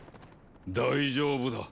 大丈夫だ。